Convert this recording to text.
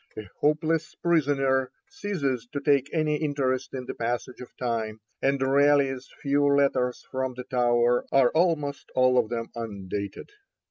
A hopeless prisoner ceases to take any interest in the passage of time, and Raleigh's few letters from the Tower are almost all of them undated.